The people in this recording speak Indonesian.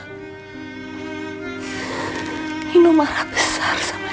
nino marah besar sama elsa sekarang